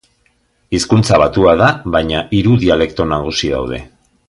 Hizkuntza batua da, baina hiru dialekto nagusi daude.